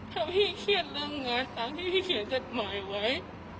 ถ้าพี่เครียดเรื่องงานตามที่พี่เขียนจดหมายไว้